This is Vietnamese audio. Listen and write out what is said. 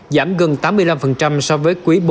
giảm gần tám mươi năm so với quỹ bốn